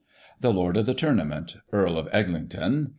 THE LORD OF THE TOURNAMENT. Earl of Eglington.